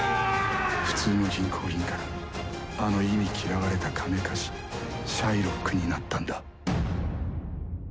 普通の銀行員からあの忌み嫌われた金貸し、シャイロックになったんだ。